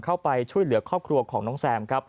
เข้าไปช่วยเหลือครอบครัวของน้องแซมครับ